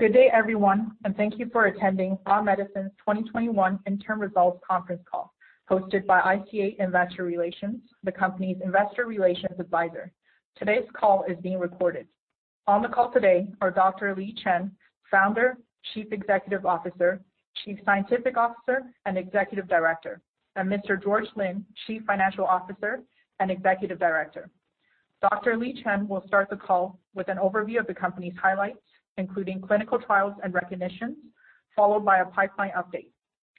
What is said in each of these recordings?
Good day, everyone. Thank you for attending Hua Medicine's 2021 Interim Results Conference Call hosted by Institutional Capital Advisory, the company's investor relations advisor. Today's call is being recorded. On the call today are Dr. Li Chen, Founder, Chief Executive Officer, Chief Scientific Officer, and Executive Director, and Mr. George Lin, Chief Financial Officer and Executive Director. Dr. Li Chen will start the call with an overview of the company's highlights, including clinical trials and recognitions, followed by a pipeline update.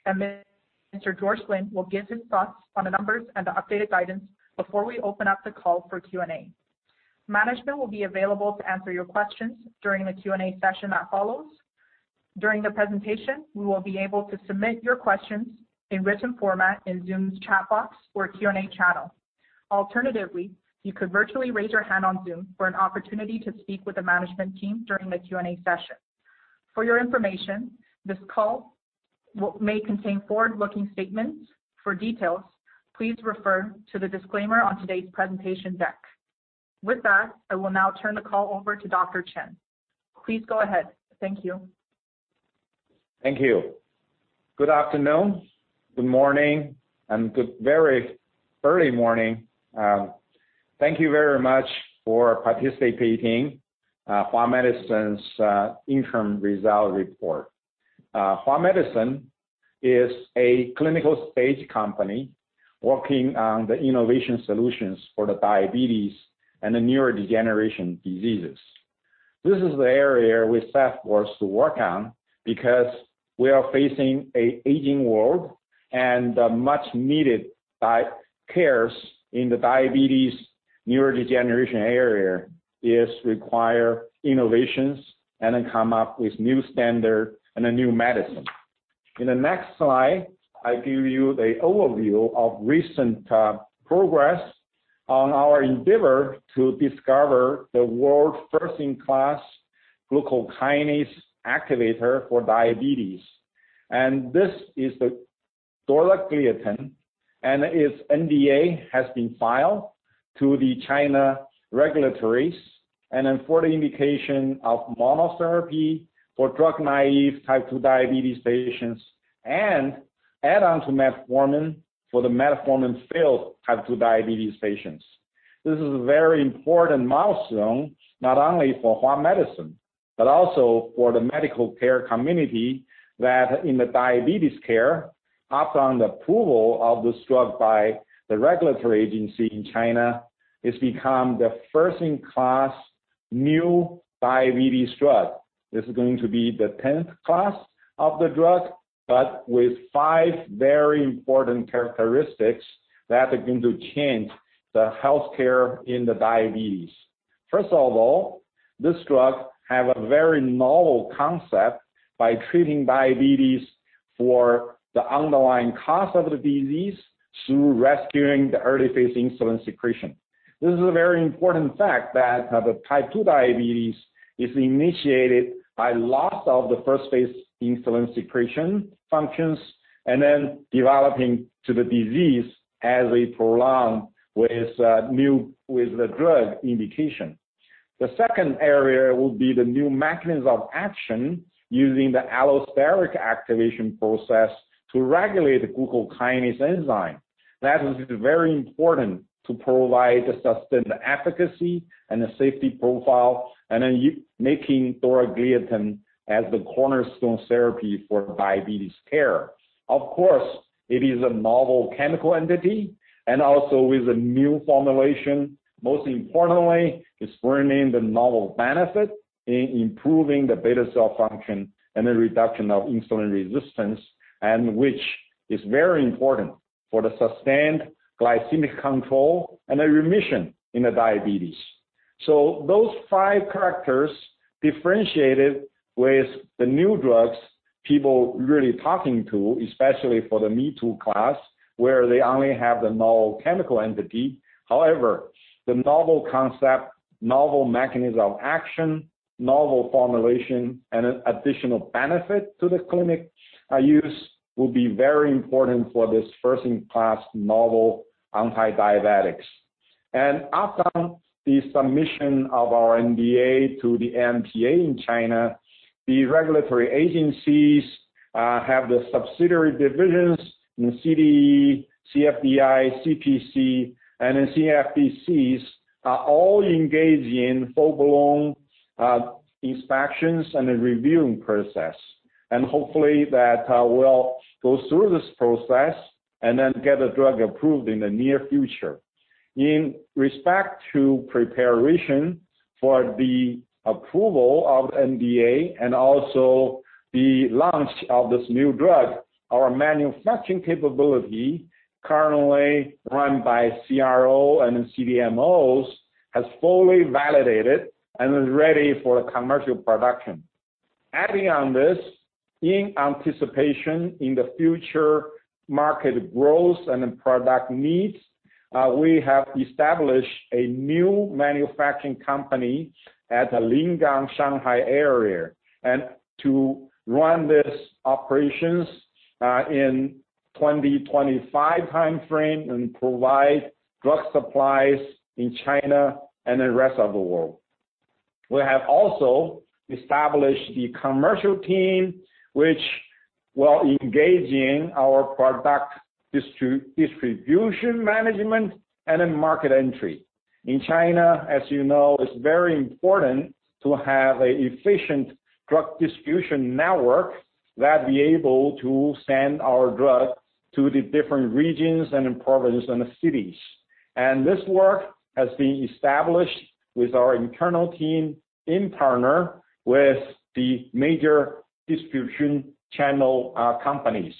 Mr. George Lin will give his thoughts on the numbers and the updated guidance before we open up the call for Q&A. Management will be available to answer your questions during the Q&A session that follows. During the presentation, we will be able to submit your questions in written format in Zoom's chat box or Q&A channel. Alternatively, you could virtually raise your hand on Zoom for an opportunity to speak with the management team during the Q&A session. For your information, this call may contain forward-looking statements. For details, please refer to the disclaimer on today's presentation deck. With that, I will now turn the call over to Dr. Chen. Please go ahead. Thank you. Thank you. Good afternoon, good morning, and good very early morning. Thank you very much for participating Hua Medicine's interim result report. Hua Medicine is a clinical-stage company working on the innovation solutions for the diabetes and the neurodegeneration diseases. This is the area we set forth to work on because we are facing an aging world and much needed cares in the diabetes neurodegeneration area is require innovations and then come up with new standard and a new medicine. In the next slide, I give you the overview of recent progress on our endeavor to discover the world first in class glucokinase activator for diabetes. This is the dorzagliatin, and its NDA has been filed to the China regulatories, and then for the indication of monotherapy for drug-naive type two diabetes patients and add-on to metformin for the metformin failed type two diabetes patients. This is a very important milestone, not only for Hua Medicine, but also for the medical care community, that in the diabetes care, after the approval of this drug by the regulatory agency in China, it has become the first in class new diabetes drug. With five very important characteristics that are going to change the healthcare in the diabetes. First of all, this drug have a very novel concept by treating diabetes for the underlying cause of the disease through rescuing the early-phase insulin secretion. This is a very important fact that the type two diabetes is initiated by loss of the phase I insulin secretion functions. Developing to the disease as we prolong with the drug indication. The second area will be the new mechanism of action using the allosteric activation process to regulate the glucokinase enzyme. That is very important to provide the sustained efficacy and the safety profile, and then making dorzagliatin as the cornerstone therapy for diabetes care. Of course, it is a novel chemical entity and also with a new formulation. Most importantly, it's bringing the novel benefit in improving the beta cell function and the reduction of insulin resistance, and which is very important for the sustained glycemic control and a remission in the diabetes. Those five characters differentiated with the new drugs people really talking to, especially for the me-too class, where they only have the novel chemical entity. However, the novel concept, novel mechanism of action, novel formulation, and additional benefit to the clinic use will be very important for this first-in-class novel anti-diabetics. After the submission of our NDA to the NMPA in China, the regulatory agencies have the subsidiary divisions in CDE, CFDI, CPC, and then CFDCs are all engaged in full-blown inspections and a reviewing process. Hopefully that will go through this process and then get a drug approved in the near future. In respect to preparation for the approval of NDA and also the launch of this new drug, our manufacturing capability, currently run by CRO and CDMOs, has fully validated and is ready for the commercial production. Adding on this, in anticipation in the future market growth and product needs, we have established a new manufacturing company at the Lingang, Shanghai area, and to run this operations in 2025 timeframe and provide drug supplies in China and the rest of the world. We have also established the commercial team, which will engage in our product distribution management and in market entry. In China, as you know, it's very important to have an efficient drug distribution network that will be able to send our drug to the different regions and provinces and cities. This work has been established with our internal team in partner with the major distribution channel companies.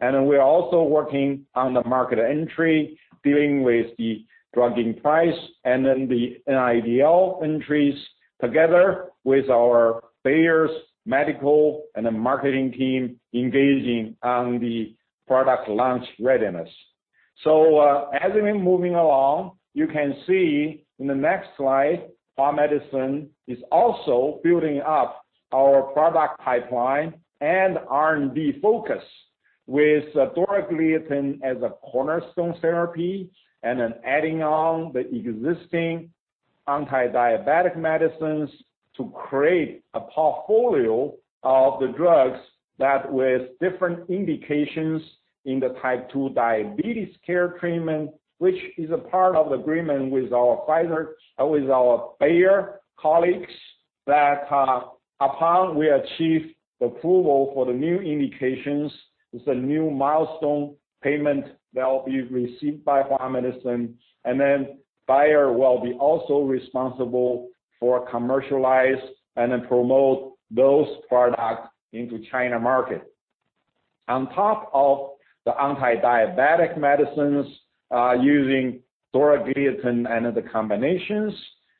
We are also working on the market entry, dealing with the drug price, and then the NRDL entries, together with our payers, medical, and the marketing team engaging on the product launch readiness. As we're moving along, you can see in the next slide, Hua Medicine is also building up our product pipeline and R&D focus with dorzagliatin as a cornerstone therapy, and then adding on the existing anti-diabetic medicines to create a portfolio of the drugs that with different indications in the type two diabetes care treatment, which is a part of the agreement with our Bayer colleagues, that upon we achieve the approval for the new indications, it's a new milestone payment that will be received by Hua Medicine, and then Bayer will be also responsible for commercialize and then promote those products into China market. On top of the anti-diabetic medicines, using dorzagliatin and other combinations,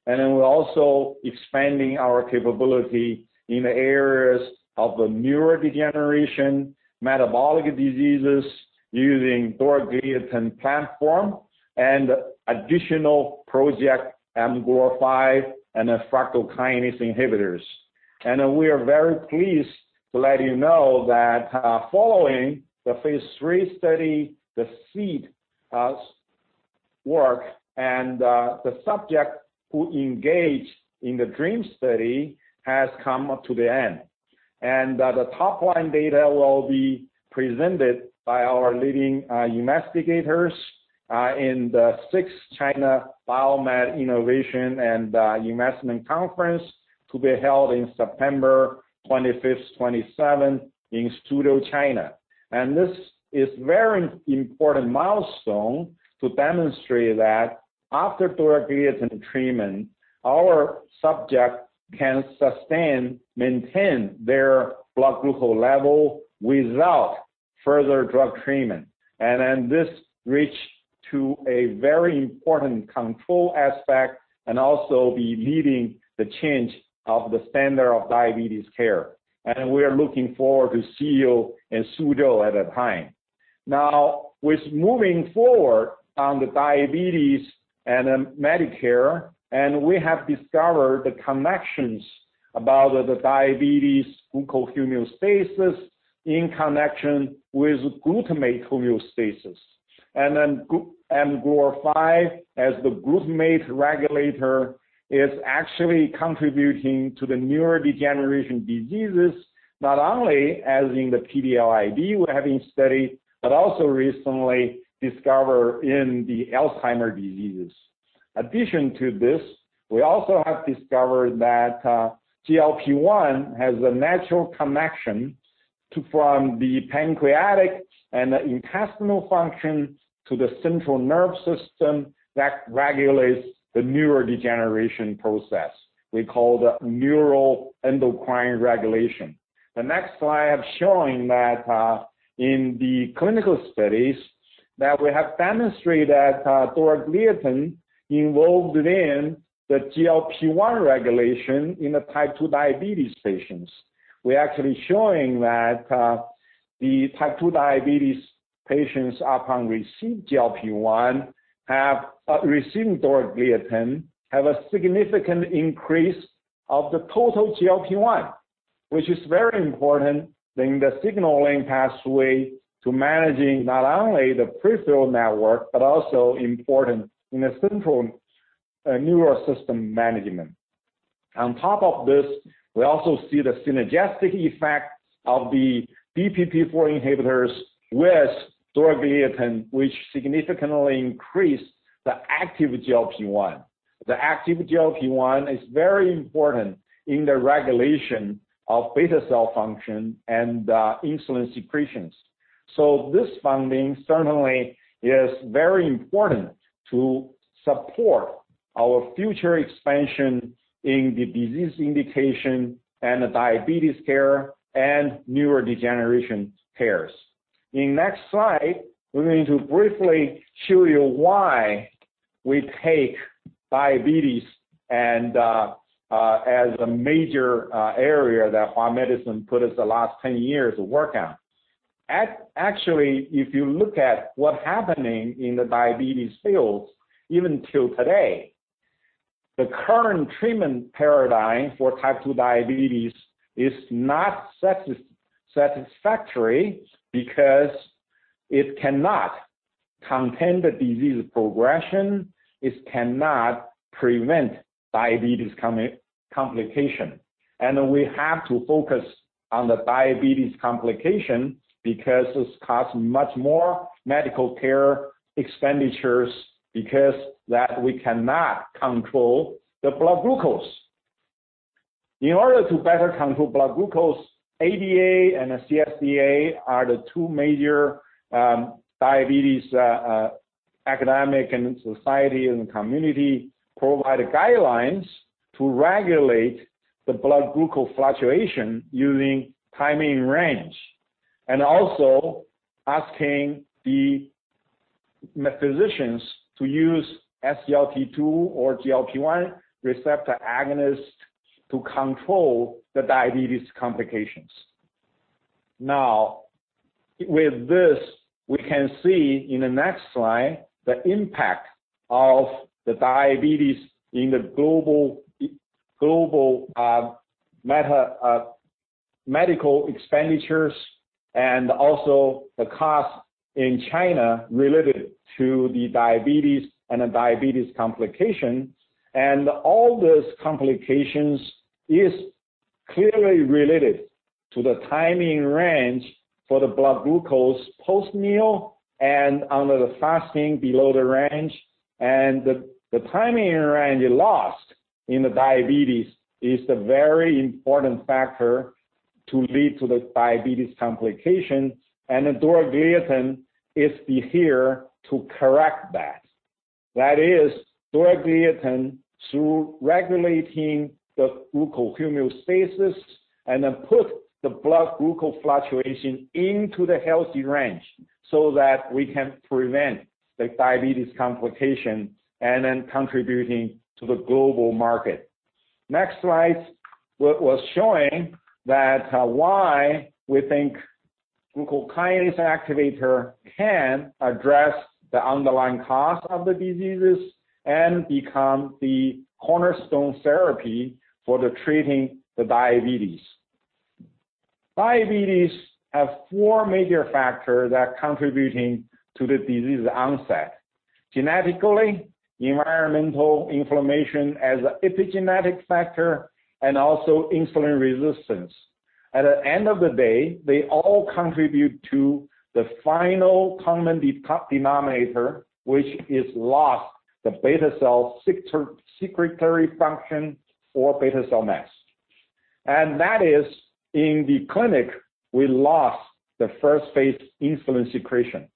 and then we're also expanding our capability in the areas of neurodegeneration, metabolic diseases using dorzagliatin platform, and additional project, mGlu5 and fructokinase inhibitors. We are very pleased to let you know that following the phase III study, the SEED and the subject who engaged in the DREAM study has come to the end. The top-line data will be presented by our leading investigators in the sixth China BioMed Innovation and Investment Conference to be held in September 25-27 in Suzhou, China. This is very important milestone to demonstrate that after dorzagliatin treatment, our subject can sustain, maintain their blood glucose level without further drug treatment. This reach to a very important control aspect and also be leading the change of the standard of diabetes care. We are looking forward to see you in Suzhou at that time. Now, with moving forward on the diabetes and medical care, and we have discovered the connections about the diabetes glucose homeostasis in connection with glutamate homeostasis. mGlu5 as the glutamate regulator is actually contributing to the neurodegeneration diseases, not only as in the PD-LID we're having studied, but also recently discovered in the Alzheimer's diseases. In addition to this, we also have discovered that GLP-1 has a natural connection from the pancreatic and the intestinal function to the central nervous system that regulates the neurodegeneration process. We call the neuroendocrine regulation. The next slide shows that in the clinical studies that we have demonstrated that dorzagliatin is involved in the GLP-1 regulation in the type two diabetes patients. We're actually showing that the type two diabetes patients upon receiving dorzagliatin have a significant increase of the total GLP-1, which is very important in the signaling pathway to managing not only the peripheral network, but also important in the central nervous system management. On top of this, we also see the synergistic effect of the DPP-4 inhibitors with dorzagliatin, which significantly increase the active GLP-1. The active GLP-1 is very important in the regulation of beta cell function and insulin secretions. This finding certainly is very important to support our future expansion in the disease indication and the diabetes care and neurodegeneration cares. In next slide, we're going to briefly show you why we take diabetes as a major area that Hua Medicine put us the last 10 years of work on. Actually, if you look at what happening in the diabetes field, even till today. The current treatment paradigm for type two diabetes is not satisfactory because it cannot contain the disease progression, it cannot prevent diabetes complication. We have to focus on the diabetes complication because this costs much more medical care expenditures, because we cannot control the blood glucose. In order to better control blood glucose, ADA and CSCA are the two major diabetes academic and society, and community provide guidelines to regulate the blood glucose fluctuation using time in range. Also asking the physicians to use SGLT2 or GLP-1 receptor agonist to control the diabetes complications. With this, we can see in the next slide the impact of the diabetes in the global medical expenditures, and also the cost in China related to the diabetes and diabetes complication. All these complications is clearly related to the time in range for the blood glucose post-meal and under the fasting below the range. The time in range lost in the diabetes is the very important factor to lead to the diabetes complication. The dorzagliatin is here to correct that. That is, dorzagliatin, through regulating the glucose homeostasis and then put the blood glucose fluctuation into the healthy range so that we can prevent the diabetes complication and then contributing to the global market. Next slide was showing why we think glucokinase activator can address the underlying cause of the diseases and become the cornerstone therapy for treating diabetes. Diabetes have four major factors that contributing to the disease onset. Genetically, environmental inflammation as an epigenetic factor, and also insulin resistance. At the end of the day, they all contribute to the final common denominator, which is loss the beta cell secretory function or beta cell mass. That is, in the clinic, we lost the first phase insulin secretion.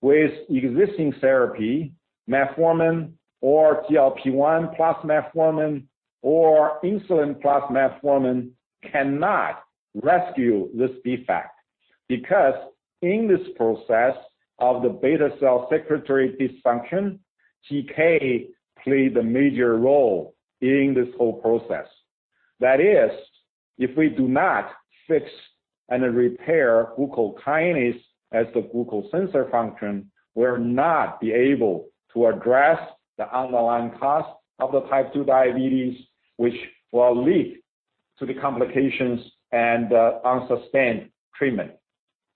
With existing therapy, metformin or GLP1 plus metformin or insulin plus metformin cannot rescue this defect. In this process of the beta cell secretory dysfunction, GK played a major role in this whole process. That is, if we do not fix and repair glucokinase as the glucose sensor function, we'll not be able to address the underlying cause of the type two diabetes, which will lead to the complications and unsustained treatment.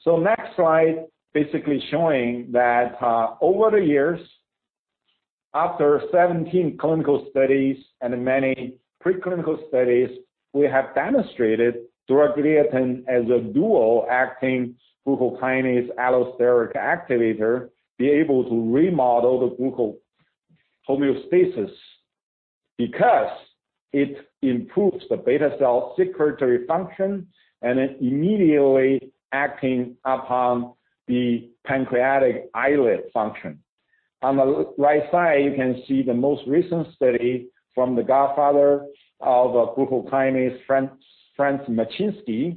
Next slide basically showing that over the years, after 17 clinical studies and many pre-clinical studies, we have demonstrated dorzagliatin as a dual-acting glucokinase allosteric activator, be able to remodel the glucose homeostasis. It improves the beta cell secretory function and it immediately acting upon the pancreatic islet function. On the right side, you can see the most recent study from the godfather of glucokinase, Franz Matschinsky,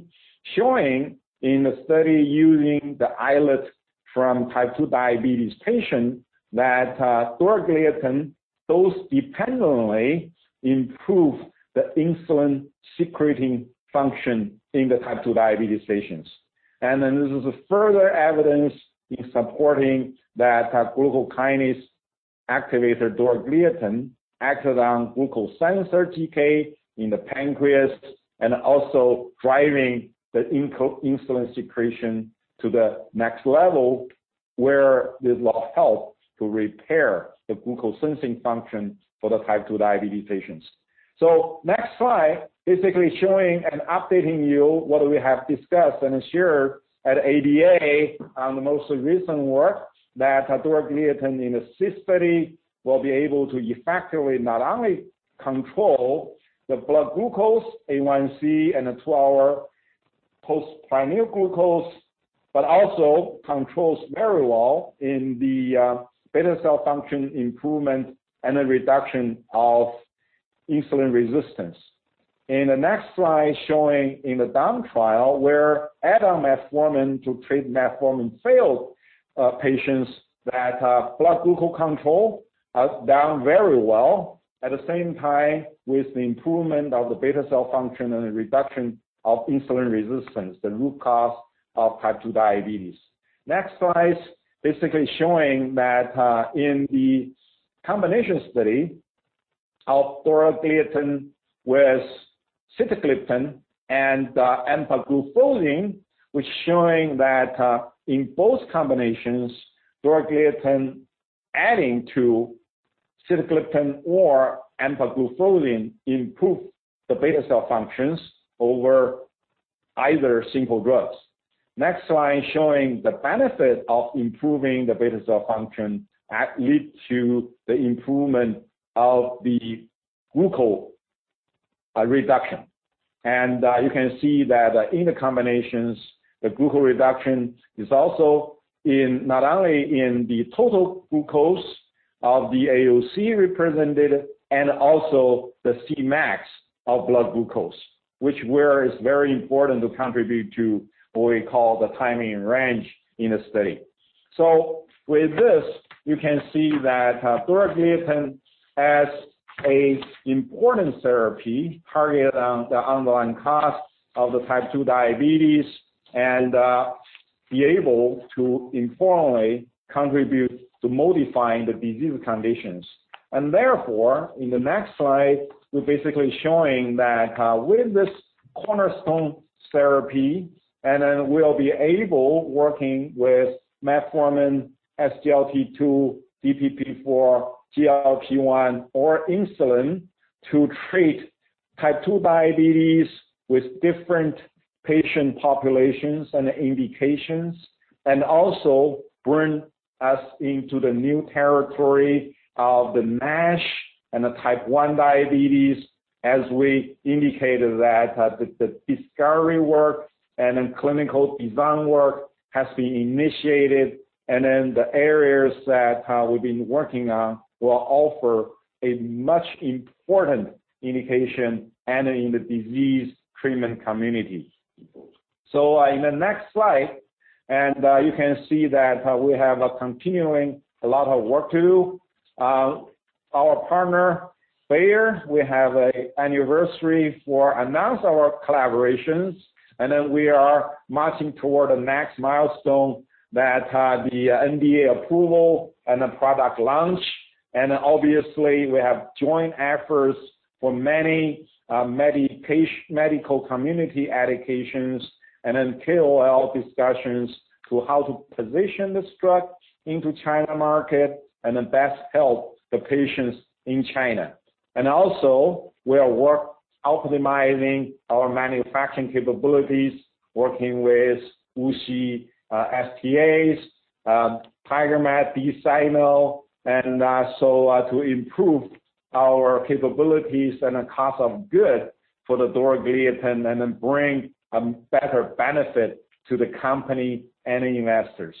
showing in a study using the islet from type two diabetes patient, that dorzagliatin dose-dependently improved the insulin-secreting function in the type two diabetes patients. This is a further evidence in supporting that glucokinase activator, dorzagliatin, acted on glucose sensor GK in the pancreas and also driving the insulin secretion to the next level, where it will help to repair the glucose sensing function for the type two diabetes patients. Next slide, basically showing and updating you what we have discussed and assured at ADA on the most recent work that dorzagliatin in the SYSTOLY study will be able to effectively not only control the blood glucose, A1c, and the two hour postprandial glucose, but also controls very well in the beta cell function improvement and the reduction of insulin resistance. Next slide, showing in the DAWN trial where add-on metformin to treat metformin failed patients that blood glucose control has done very well. At the same time, with the improvement of the beta cell function and the reduction of insulin resistance, the root cause of type two diabetes. Next slide. Basically showing that in the combination study of dorzagliatin with sitagliptin and empagliflozin, we're showing that in both combinations, dorzagliatin adding to sitagliptin or empagliflozin improve the beta cell functions over either single drugs. Next slide showing the benefit of improving the beta cell function lead to the improvement of the glucose reduction. You can see that in the combinations, the glucose reduction is also not only in the total glucose of the AUC represented, and also the C-max of blood glucose, which is very important to contribute to what we call the timing and range in a study. With this, you can see that dorzagliatin as a important therapy target on the underlying cause of the type twodiabetes and be able to informally contribute to modifying the disease conditions. Therefore, in the next slide, we're basically showing that with this cornerstone therapy, we'll be able, working with metformin, SGLT2, DPP-4, GLP-1, or insulin, to treat type two diabetes with different patient populations and indications, also bring us into the new territory of the NASH and the type one diabetes, as we indicated that the discovery work and clinical design work has been initiated. The areas that we've been working on will offer a much important indication in the disease treatment communities. In the next slide, you can see that we have continuing a lot of work to do. Our partner, Bayer, we have a anniversary for announce our collaborations, we are marching toward the next milestone that the NDA approval and the product launch. We have joint efforts for many medical community educations and then KOL discussions to how to position this drug into China market and then best help the patients in China. We are work optimizing our manufacturing capabilities, working with WuXi STA, Tigermed, Desano, and so to improve our capabilities and the cost of goods for the dorzagliatin and then bring a better benefit to the company and investors.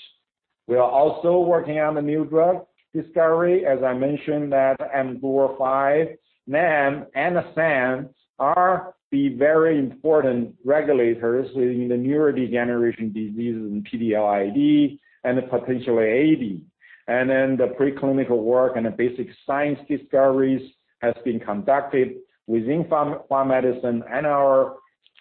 We are also working on the new drug discovery, as I mentioned that mGlu5, NAM, and the SAM are the very important regulators within the neurodegeneration diseases in PD-LID and the potential AD. The preclinical work and the basic science discoveries has been conducted within Hua Medicine and our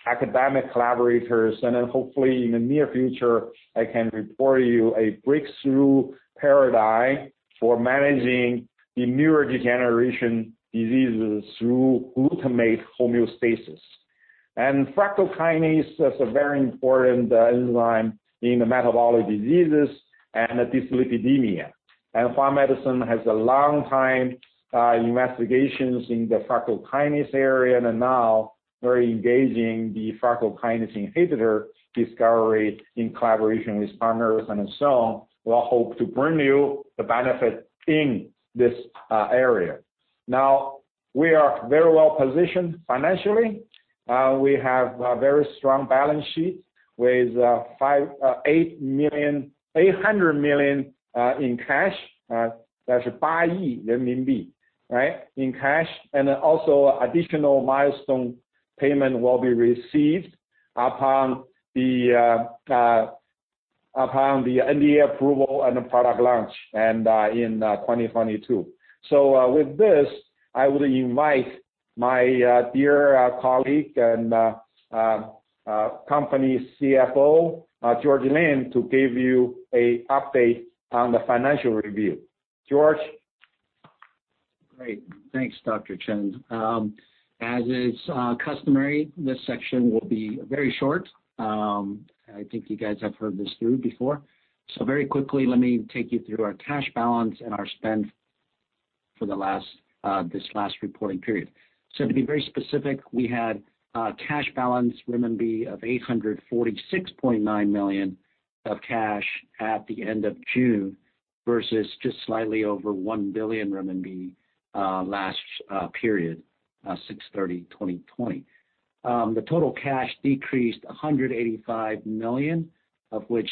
academic collaborators. Hopefully in the near future, I can report you a breakthrough paradigm for managing the neurodegeneration diseases through glutamate homeostasis. Fructokinase is a very important enzyme in the metabolic diseases and the dyslipidemia. Hua Medicine has a long time investigations in the fructokinase area, and then now very engaging the fructokinase inhibitor discovery in collaboration with partners and so on. We'll hope to bring you the benefit in this area. Now, we are very well-positioned financially. We have a very strong balance sheet with 800 million in cash. That's CNY 800 million in cash. Also additional milestone payment will be received upon the NDA approval and the product launch in 2022. With this, I will invite my dear colleague and company CFO, George Lin, to give you a update on the financial review. George? Great. Thanks, Dr. Chen. As is customary, this section will be very short. I think you guys have heard this through before. Very quickly, let me take you through our cash balance and our spend for this last reporting period. To be very specific, we had cash balance 846.9 million renminbi of cash at the end of June versus just slightly over 1 billion renminbi last period, 06/30/2020. The total cash decreased 185 million of which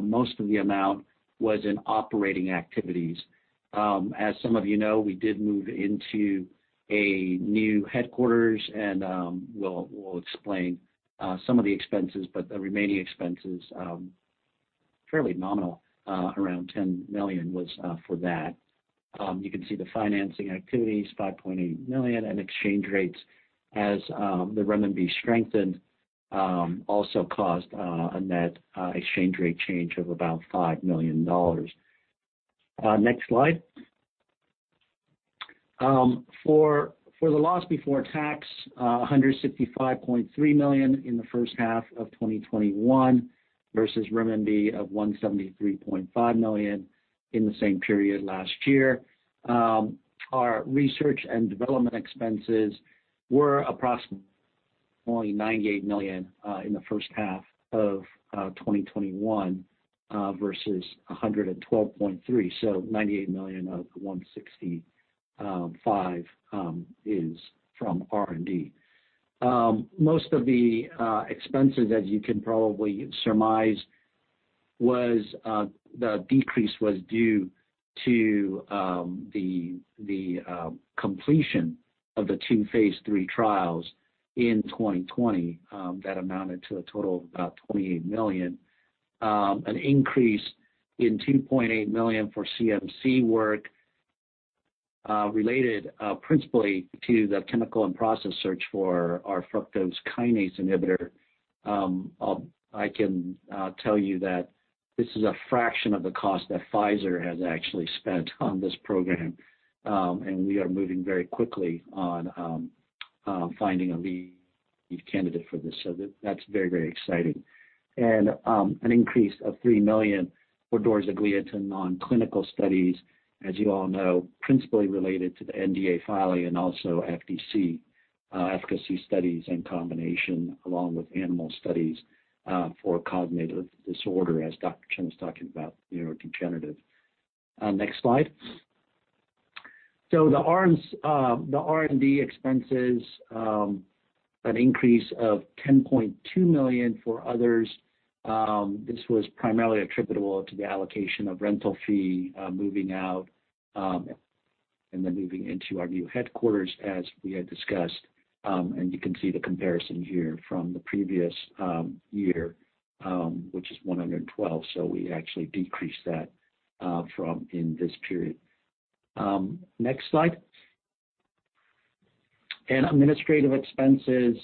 most of the amount was in operating activities. As some of you know, we did move into a new headquarters and we'll explain some of the expenses, but the remaining expenses, fairly nominal, around 10 million was for that. You can see the financing activities, 5.8 million, and exchange rates as the RMB strengthened also caused a net exchange rate change of about RMB 5 million. Next slide. For the loss before tax, 165.3 million in the first half of 2021 versus 173.5 million RMB in the same period last year. Our research and development expenses were approximately 98 million in the first half of 2021 versus 112.3 million. 98 million of the 165 million is from R&D. Most of the expenses, as you can probably surmise, the decrease was due to the completion of the two phase III trials in 2020. That amounted to a total of about 28 million. An increase in 2.8 million for CMC work related principally to the chemical and process search for our fructokinase inhibitor. I can tell you that this is a fraction of the cost that Pfizer has actually spent on this program, and we are moving very quickly on finding a lead candidate for this. That's very exciting. An increase of 3 million for dorzagliatin on clinical studies, as you all know, principally related to the NDA filing and also FDC efficacy studies in combination, along with animal studies for cognitive disorder, as Dr. Chen was talking about neurodegenerative. Next slide. The R&D expenses an increase of 10.2 million for others. This was primarily attributable to the allocation of rental fee moving out and then moving into our new headquarters as we had discussed. You can see the comparison here from the previous year, which is 112 million. We actually decreased that in this period. Next slide. Administrative expenses,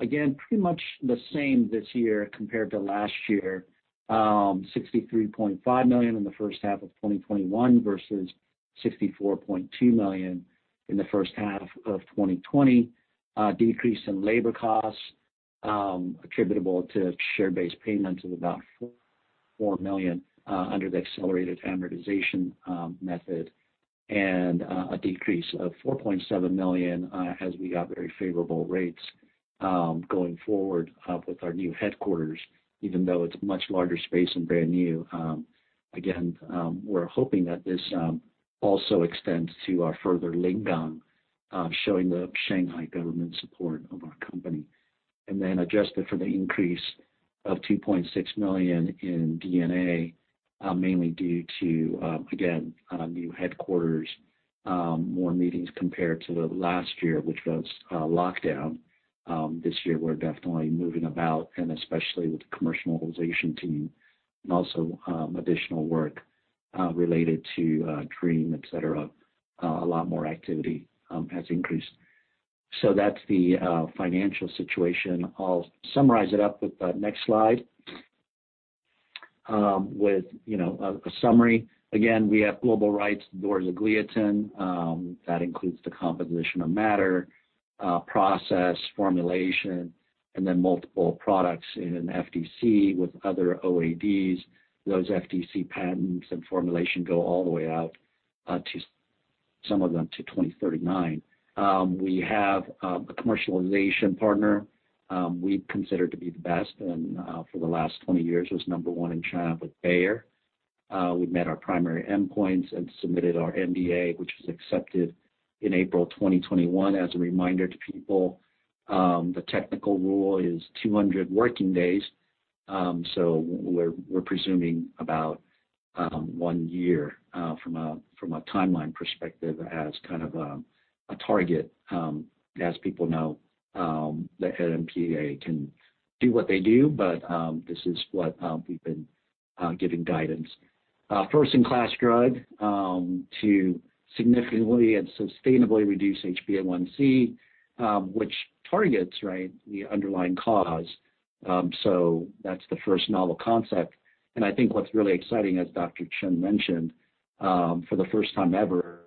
again, pretty much the same this year compared to last year. 63.5 million in the first half of 2021 versus 64.2 million in the first half of 2020. A decrease in labor costs attributable to share-based payments of about 4 million under the accelerated amortization method and a decrease of 4.7 million as we got very favorable rates going forward with our new headquarters, even though it's much larger space and brand new. We're hoping that this also extends to our further link gang showing the Shanghai government support of our company. Adjusted for the increase of 2.6 million in D&A mainly due to again, new headquarters, more meetings compared to last year, which was lockdown. This year we're definitely moving about and especially with the commercialization team and also additional work related to DREAM, et cetera. A lot more activity has increased. That's the financial situation. I'll summarize it up with the next slide. With a summary. We have global rights to dorzagliatin. That includes the composition of matter, process, formulation, and then multiple products in an FDC with other OADs. Those FDC patents and formulation go all the way out, some of them to 2039. We have a commercialization partner we consider to be the best, and for the last 20 years was number one in China with Bayer. We've met our primary endpoints and submitted our NDA, which was accepted in April 2021. As a reminder to people, the technical rule is 200 working days. We're presuming about one year from a timeline perspective as kind of a target. As people know, the NMPA can do what they do, but this is what we've been giving guidance. A first-in-class drug to significantly and sustainably reduce HbA1c, which targets the underlying cause. That's the first novel concept. I think what's really exciting, as Dr. Chen mentioned, for the first time ever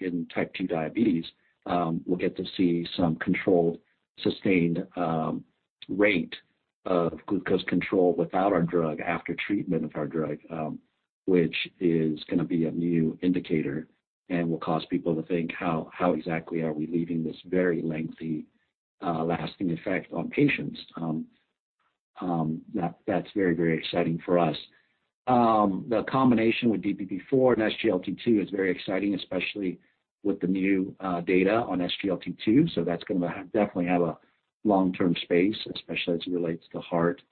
in type two diabetes, we'll get to see some controlled, sustained rate of glucose control without our drug after treatment of our drug, which is going to be a new indicator and will cause people to think, how exactly are we leaving this very lengthy lasting effect on patients? That's very exciting for us. The combination with DPP-4 and SGLT2 is very exciting, especially with the new data on SGLT2. That's going to definitely have a long-term space, especially as it relates to heart.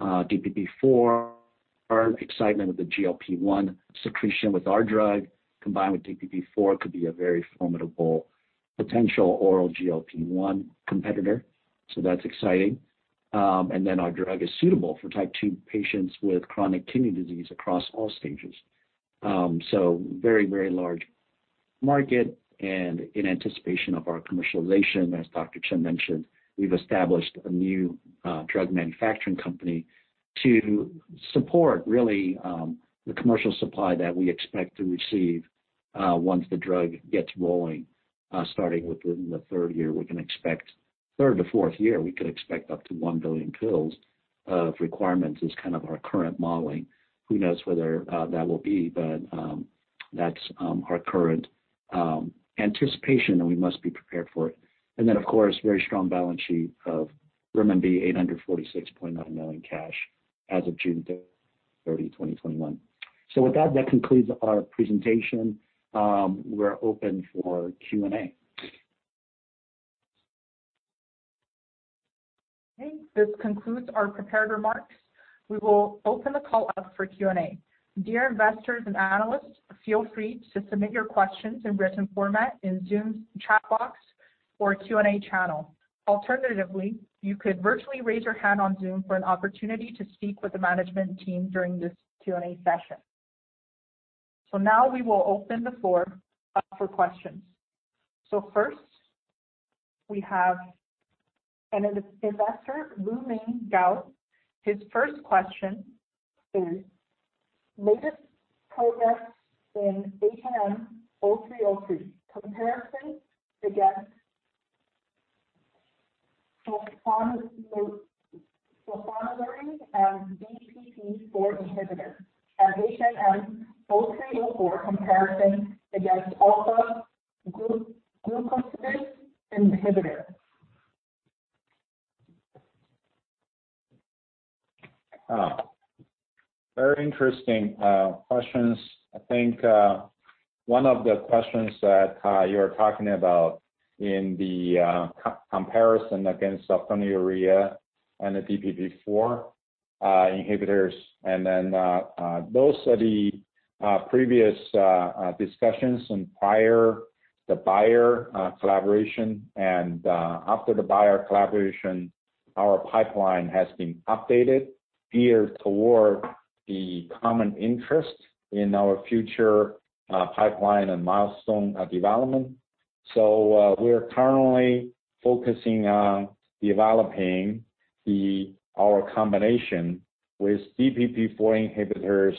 DPP-4, our excitement with the GLP-1 secretion with our drug combined with DPP-4 could be a very formidable potential oral GLP-1 competitor. That's exciting. Then our drug is suitable for type two patients with chronic kidney disease across all stages. Very large market. In anticipation of our commercialization, as Dr. Chen mentioned, we've established a new drug manufacturing company to support really the commercial supply that we expect to receive once the drug gets rolling, starting within the third year. Third to fourth year, we could expect up to 1 billion pills of requirements is kind of our current modeling. Who knows whether that will be, but that's our current anticipation, and we must be prepared for it. Then, of course, very strong balance sheet of RMB 846.9 million cash as of June 30, 2021. With that concludes our presentation. We're open for Q&A. Okay. This concludes our prepared remarks. We will open the call up for Q&A. Dear investors and analysts, feel free to submit your questions in written format in Zoom's chat box or Q&A channel. Alternatively, you could virtually raise your hand on Zoom for an opportunity to speak with the management team during this Q&A session. Now we will open the floor up for questions. First, we have an investor, Luming Gao. His first question is latest progress in HMM0303 comparison against sulfonylurea and DPP-4 inhibitor and HMM0304 comparison against α-glucosidase inhibitor. Very interesting questions. I think one of the questions that you're talking about in the comparison against sulfonylurea and the DPP-4 inhibitors, those are the previous discussions in prior the Bayer collaboration. After the Bayer collaboration, our pipeline has been updated, geared toward the common interest in our future pipeline and milestone development. We're currently focusing on developing our combination with DPP-4 inhibitors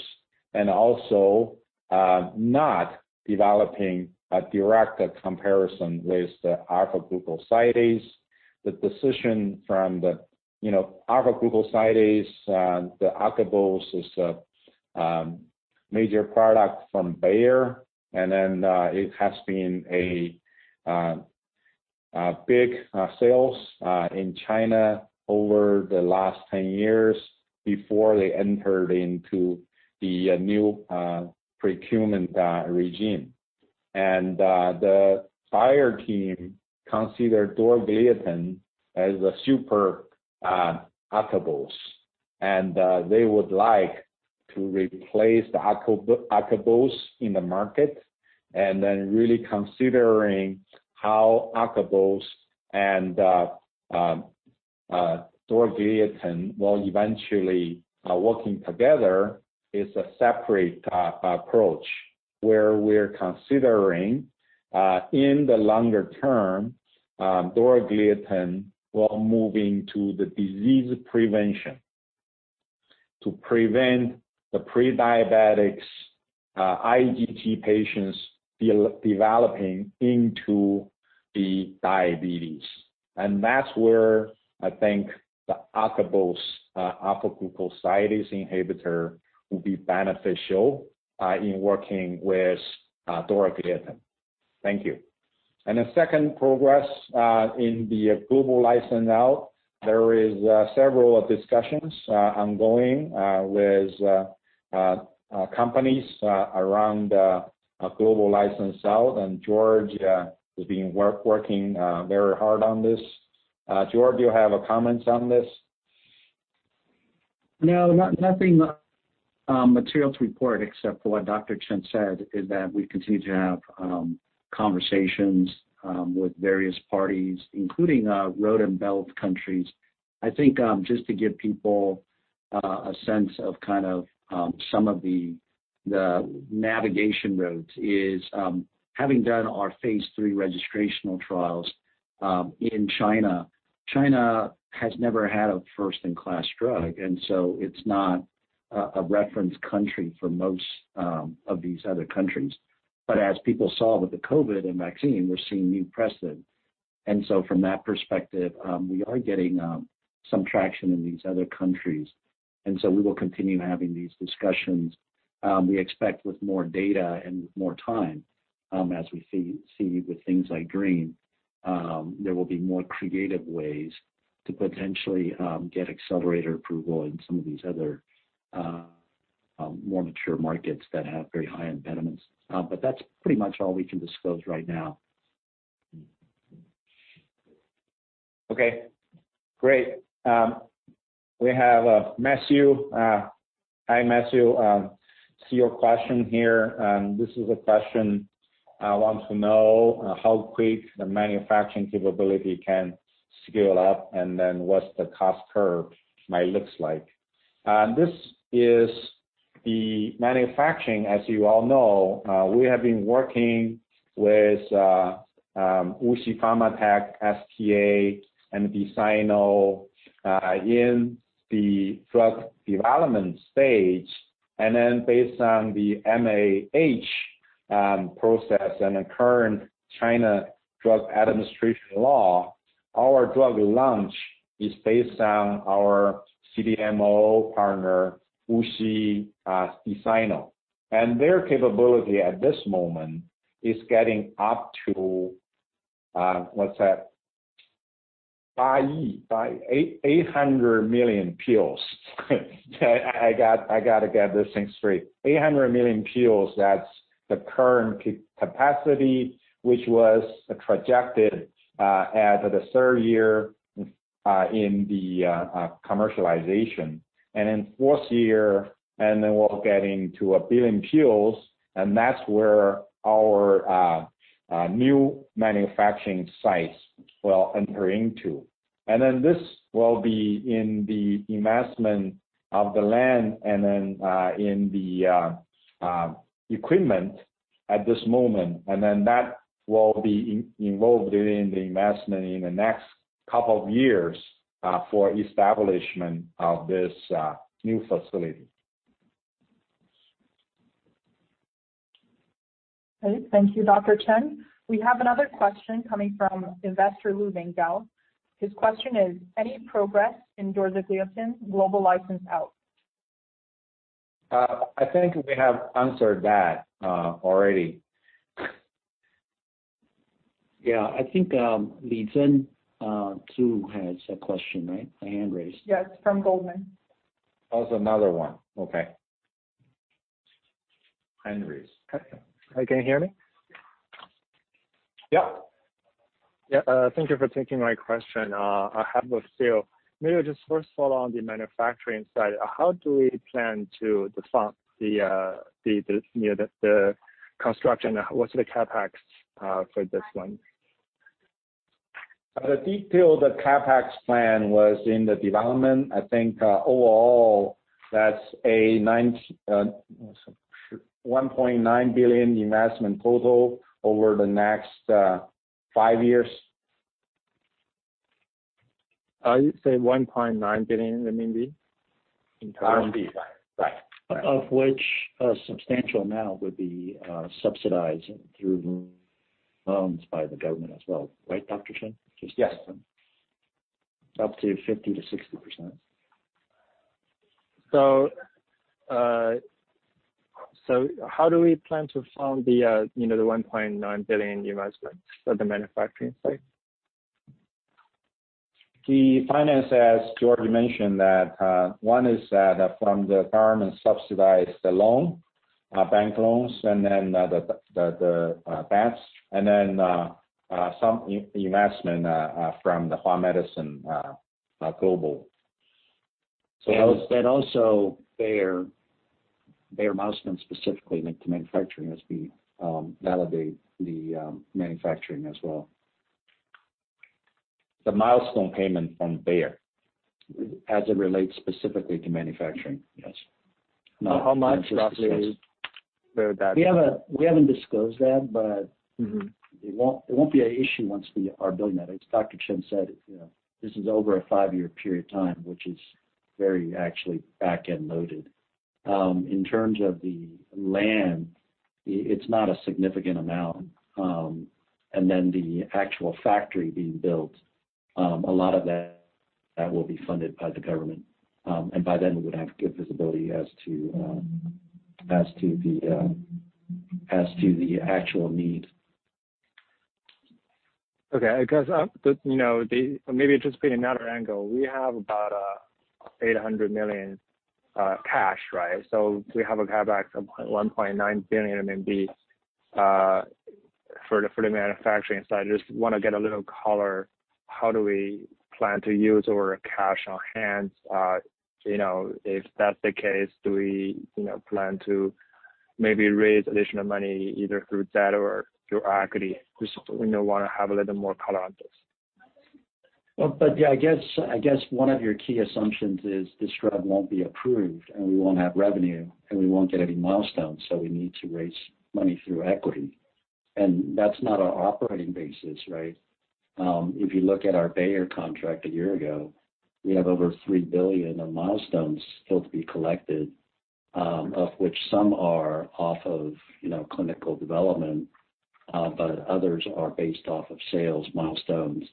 and also not developing a direct comparison with the alpha-glucosidase. The decision from the alpha-glucosidase, the acarbose is a major product from Bayer, it has been a big sales in China over the last 10 years before they entered into the new procurement regime. The Bayer team consider dorzagliatin as a super acarbose. They would like to replace the acarbose in the market and then really considering how acarbose and dorzagliatin will eventually working together is a separate approach where we're considering in the longer term dorzagliatin while moving to the disease prevention to prevent the pre-diabetics IGT patients developing into the diabetes. That's where I think the acarbose α-glucosidase inhibitor will be beneficial in working with dorzagliatin. Thank you. The second progress in the global license out, there is several discussions ongoing with companies around global license out, and George has been working very hard on this. George, you have comments on this? No, nothing material to report except for what Dr. Chen said is that we continue to have conversations with various parties, including Belt and Road countries. I think just to give people a sense of kind of some of the navigation routes is having done our phase III registrational trials in China. China has never had a first-in-class drug. It's not a reference country for most of these other countries. As people saw with the COVID and vaccine, we're seeing new precedent. From that perspective, we are getting some traction in these other countries. We will continue having these discussions. We expect with more data and with more time as we see with things like DREAM, there will be more creative ways to potentially get accelerator approval in some of these other more mature markets that have very high impediments. That's pretty much all we can disclose right now. Okay, great. We have Matthew. Hi, Matthew. I see your question here. This is a question, wants to know how quick the manufacturing capability can scale up, and then what's the cost curve might look like. This is the manufacturing, as you all know, we have been working with WuXi AppTec, WuXi STA, and Desano in the drug development stage. Based on the MAH process and the current China Drug Administration Law, our drug launch is based on our CDMO partner, WuXi, Desano. Their capability at this moment is getting up to 800 million pills. I got to get this thing straight. 800 million pills, that's the current capacity, which was projected at the third year in the commercialization. In fourth year, then we'll get into 1 billion pills, and that's where our new manufacturing sites will enter into. This will be in the investment of the land and then in the equipment at this moment. That will be involved during the investment in the next couple of years for establishment of this new facility. Okay. Thank you, Dr. Chen. We have another question coming from investor Lu Bing Gao. His question is, any progress in dorzagliatin global license out? I think we have answered that already. Yeah, I think Li Zhen Chu has a question, right? A hand raised. Yes. From Goldman. Oh, it's another one. Okay. Hand raised. Hi, can you hear me? Yeah. Yeah. Thank you for taking my question. I have a few. Maybe just first follow on the manufacturing side, how do we plan to fund the construction, what's the CapEx for this one? The detail of the CapEx plan was in the development. I think overall that's a 1.9 billion investment total over the next five years. You say 1.9 billion in total? RMB. Right. Of which a substantial amount would be subsidized through loans by the government as well, right, Dr. Chen? Yes. Up to 50%-60%. How do we plan to fund the 1.9 billion investment for the manufacturing site? The finance, as George mentioned, that one is that from the government subsidized loan, bank loans, and then the banks, and then some investment from the Hua Medicine Global. Also Bayer milestone specifically linked to manufacturing as we validate the manufacturing as well. The milestone payment from Bayer. As it relates specifically to manufacturing, yes. How much roughly is that? We haven't disclosed that, but it won't be an issue once we are building that. As Dr. Chen said, this is over a five year period time, which is very actually back-end loaded. In terms of the land, it's not a significant amount. The actual factory being built, a lot of that will be funded by the government. By then we would have good visibility as to the actual need. Okay. Maybe just putting another angle, we have about 800 million cash, right? We have a CapEx of 1.9 billion RMB for the manufacturing side. I just want to get a little color, how do we plan to use our cash on hand? If that's the case, do we plan to maybe raise additional money either through debt or through equity? Just we want to have a little more color on this. Yeah, I guess one of your key assumptions is this drug won't be approved and we won't have revenue and we won't get any milestones. We need to raise money through equity. That's not our operating basis, right? If you look at our Bayer contract a year ago, we have over 3 billion of milestones still to be collected, of which some are off of clinical development, but others are based off of sales milestones.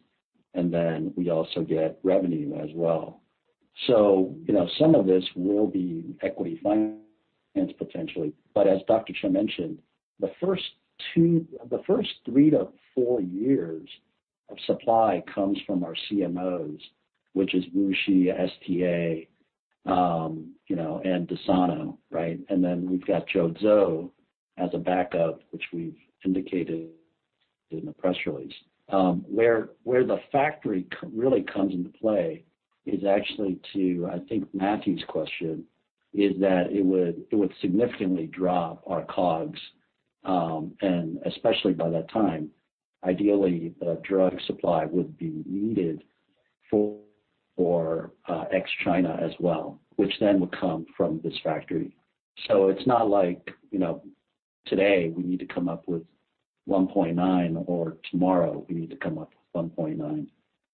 We also get revenue as well. Some of this will be equity finance potentially. As Dr. Chen mentioned, the first three to four years of supply comes from our CMOs, which is WuXi, STA, and Desano. Right? We've got Zhuozhou as a backup, which we've indicated in the press release. Where the factory really comes into play is actually to, I think Matthew's question, is that it would significantly drop our COGS, and especially by that time, ideally, the drug supply would be needed for ex-China as well, which then would come from this factory. It is not like today we need to come up with 1.9 or tomorrow we need to come up with 1.9.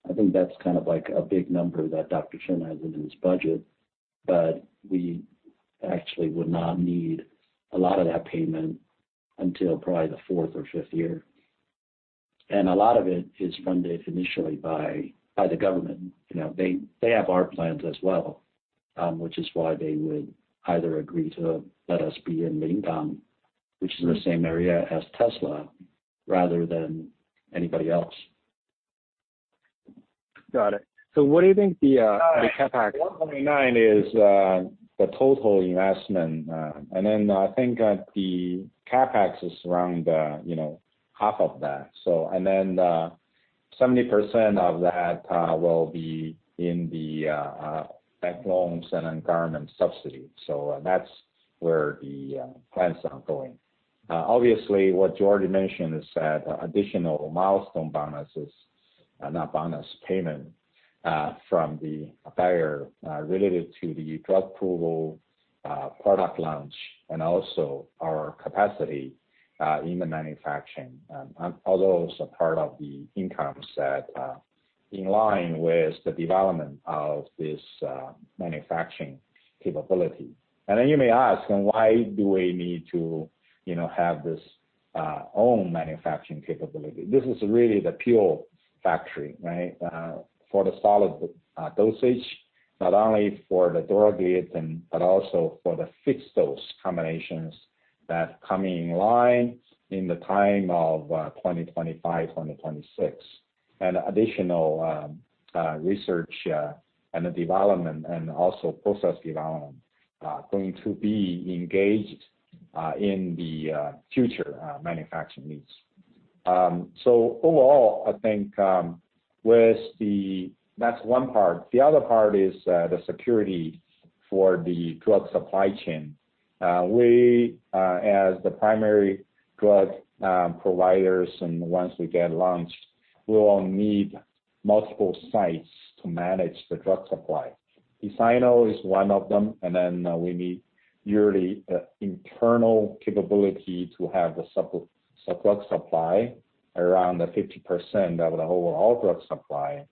I think that's a big number that Dr. Chen has in his budget, but we actually would not need a lot of that payment until probably the fourth or fifth year. A lot of it is funded initially by the government. They have our plans as well, which is why they would either agree to let us be in Lingang, which is the same area as Tesla, rather than anybody else. Got it. What do you think the CapEx? 1.9 is the total investment. I think the CapEx is around half of that. 70% of that will be in the bank loans and government subsidy. That's where the plans are going. Obviously, what George mentioned is that additional milestone bonuses, not bonus, payment from Bayer related to the drug approval, product launch, and also our capacity in the manufacturing. All those are part of the incomes that in line with the development of this manufacturing capability. You may ask, then why do we need to have this own manufacturing capability? This is really the pure factory, right? For the solid dosage, not only for the drug item, but also for the fixed dose combinations that come in line in the time of 2025, 2026. Additional research and development and also process development going to be engaged in the future manufacturing needs. Overall, I think that's one part. The other part is the security for the drug supply chain. We, as the primary drug providers, and once we get launched, we will need multiple sites to manage the drug supply. Desano is one of them, and then we need yearly internal capability to have the supply around 50% of the overall drug supply.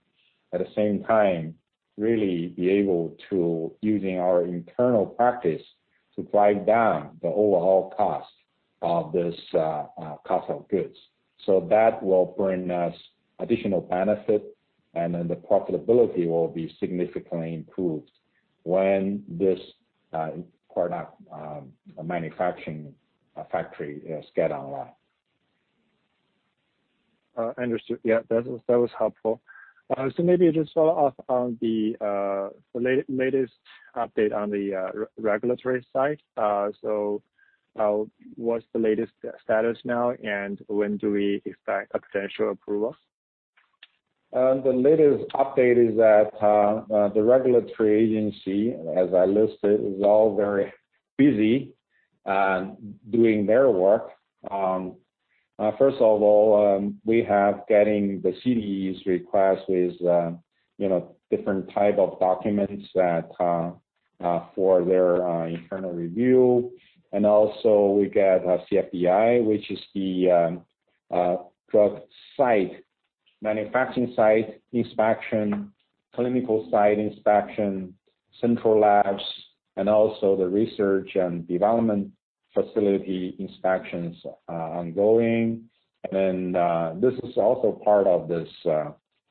At the same time, really be able to, using our internal practice, drive down the overall cost of this cost of goods. That will bring us additional benefit, and then the profitability will be significantly improved when this product manufacturing factory gets online. Understood. Yeah, that was helpful. Maybe just follow up on the latest update on the regulatory side. What's the latest status now, and when do we expect potential approval? The latest update is that the regulatory agency, as I listed, is all very busy doing their work. First of all, we have getting the CDE's request with different type of documents for their internal review. Also we get CFDI, which is the drug site, manufacturing site inspection, clinical site inspection, central labs, and also the research and development facility inspections ongoing. This is also part of this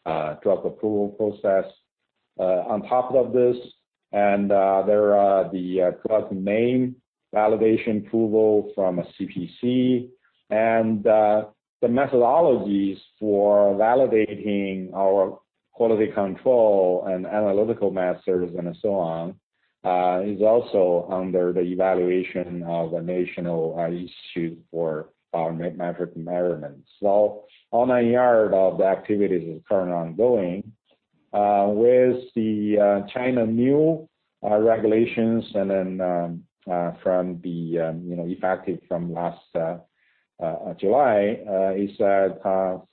drug approval process. On top of this, there are the drug name validation approval from CPC, the methodologies for validating our quality control and analytical methods and so on is also under the evaluation of the National Institutes for Food and Drug Control. On our yard of the activities is current ongoing, with the China new regulations effective from last July, is that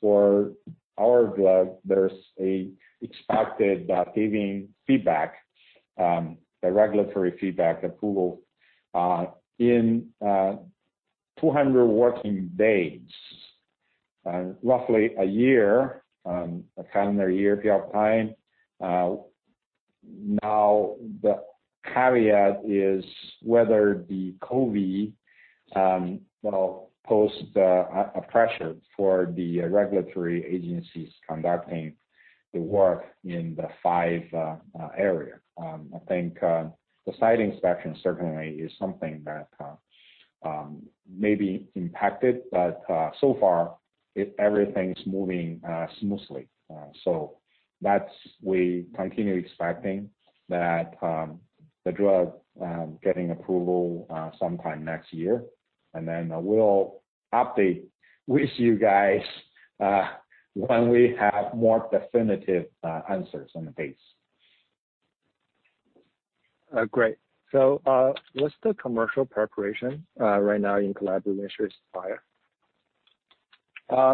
for our drug, there's an expected giving feedback, the regulatory feedback approval in 200 working days, roughly a calendar year if you have time. The caveat is whether the COVID will pose a pressure for the regulatory agencies conducting the work in the five areas. I think the site inspection certainly is something that may be impacted, so far, everything's moving smoothly. We continue expecting that the drug getting approval sometime next year, we'll update with you guys when we have more definitive answers on the dates. Great. What's the commercial preparation right now in collaboration with Bayer?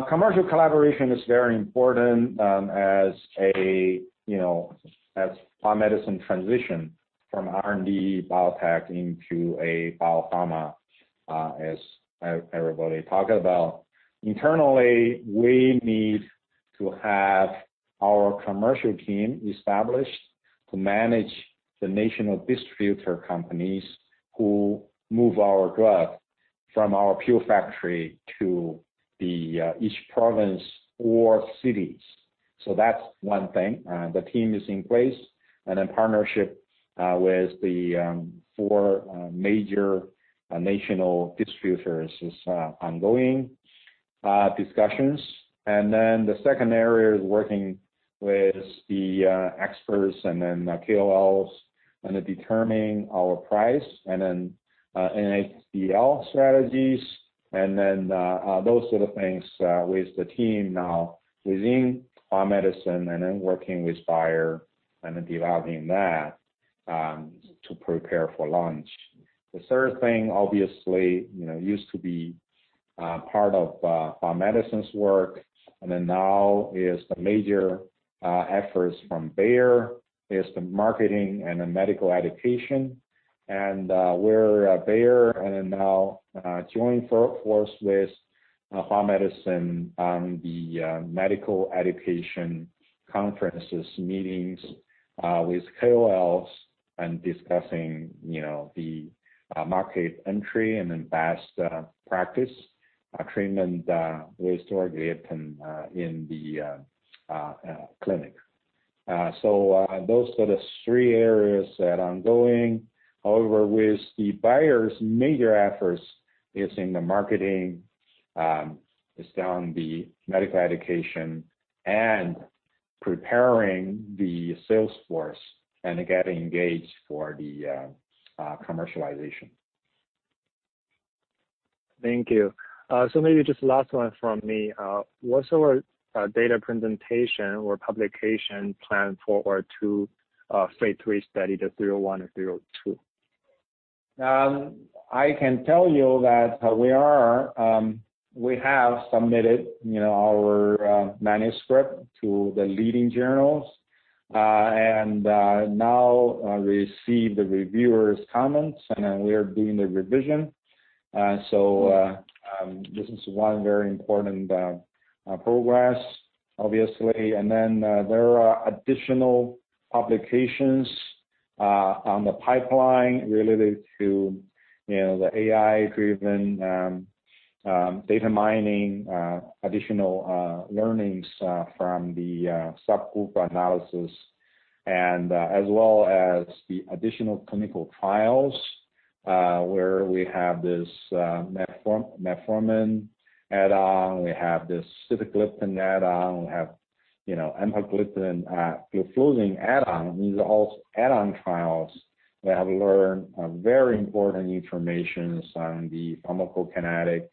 Commercial collaboration is very important as Hua Medicine transitions from an R&D biotech into a biopharma, as everybody talks about. Internally, we need to have our commercial team established to manage the national distributor companies who move our drug from our pill factory to each province or city. That's one thing. The team is in place, partnership with the four major national distributors is ongoing discussions. The second area is working with the experts and then the KOLs, and then determining our price, and then NRDL strategies, and then those sort of things with the team now within Hua Medicine, and then working with Bayer and then developing that to prepare for launch. The third thing obviously used to be part of Hua Medicine's work, and then now is the major efforts from Bayer, is the marketing and the medical education. Where Bayer now joins force with Hua Medicine on the medical education conferences, meetings with KOLs, and discussing the market entry and then best practice treatment with dorzagliatin in the clinic. Those are the three areas that are ongoing. However, with Bayer's major efforts is in the marketing, is down the medical education, and preparing the sales force, and getting engaged for the commercialization. Thank you. Maybe just last one from me. What's our data presentation or publication plan for our two phase III study, the 01 and 02? I can tell you that we have submitted our manuscript to the leading journals, now received the reviewers' comments, then we are doing the revision. This is one very important progress, obviously. Then there are additional publications on the pipeline related to the AI-driven data mining, additional learnings from the subgroup analysis, and as well as the additional clinical trials, where we have this metformin add-on, we have this sitagliptin add-on, we have empagliflozin add-on. These are all add-on trials that have learned very important information on the pharmacokinetic